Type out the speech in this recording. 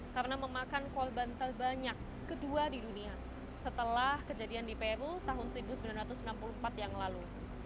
karena memakan korban terbanyak kedua di dunia setelah kejadian di peru tahun seribu sembilan ratus enam puluh empat yang lalu